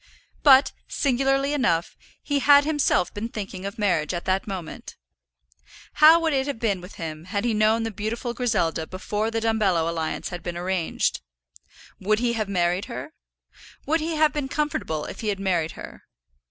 But, singularly enough, he had himself been thinking of marriage at that moment. How would it have been with him had he known the beautiful Griselda before the Dumbello alliance had been arranged? Would he have married her? Would he have been comfortable if he had married her?